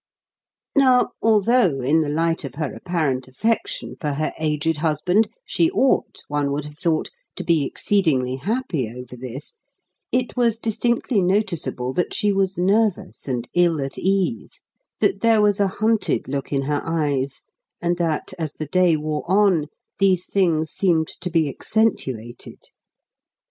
Now although, in the light of her apparent affection for her aged husband, she ought, one would have thought, to be exceedingly happy over this, it was distinctly noticeable that she was nervous and ill at ease, that there was a hunted look in her eyes, and that, as the day wore on, these things seemed to be accentuated.